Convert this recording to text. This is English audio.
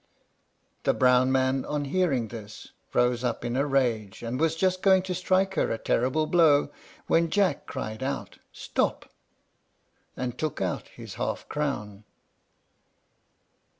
The brown man, on hearing this, rose up in a rage, and was just going to strike her a terrible blow, when Jack cried out, "Stop!" and took out his half crown.